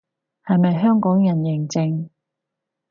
係咪香港人認證